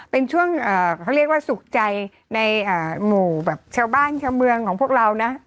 เป็นช่วงเขาเรียกว่าสุขใจในหมู่แบบชาวบ้านชาวเมืองของพวกเรานะ